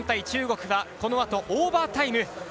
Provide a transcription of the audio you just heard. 中国が、このあとオーバータイム。